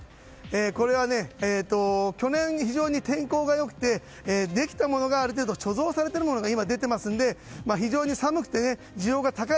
これは、去年非常に天候が良くてできたものがある程度貯蔵されたものが今、出ていますので非常に寒くて需要が高い